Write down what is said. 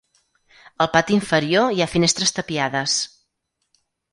Al pati inferior hi ha finestres tapiades.